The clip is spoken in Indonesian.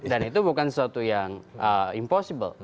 dan itu bukan sesuatu yang impossible